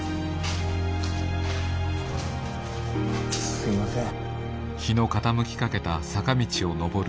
すいません。